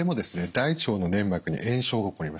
大腸の粘膜に炎症が起こります。